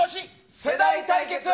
世代対決。